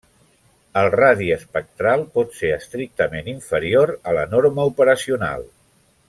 El radi espectral pot ser estrictament inferior a la norma operacional.